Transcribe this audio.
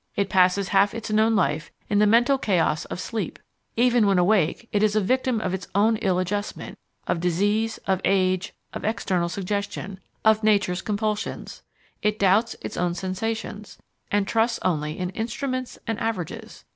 It passes half its known life in the mental chaos of sleep. Even when awake it is a victim of its own ill adjustment, of disease, of age, of external suggestion, of nature's compulsions; it doubts its own sensations and trusts only in instruments and averages.